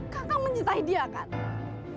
kakang mencintai dia kakang